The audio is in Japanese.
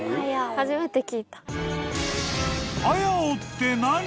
初めて聞いた。